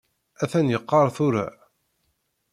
Atan yeqqaṛ tura.